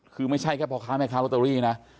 คือไม่ใช่แค่พ่อค้าแม่ค้าลอตเตอรี่นะ